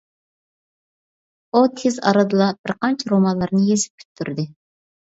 ئۇ تېز ئارىدىلا بىرقانچە رومانلارنى يېزىپ پۈتتۈردى.